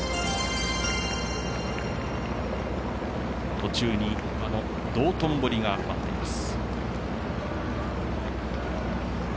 途中にあの道頓堀が待っています。